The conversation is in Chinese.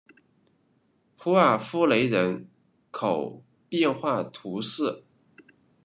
普瓦夫雷人口变化图示